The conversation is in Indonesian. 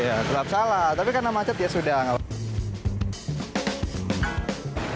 iya tetap salah tapi karena macet ya sudah